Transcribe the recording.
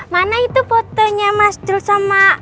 mana itu fotonya mas jul sama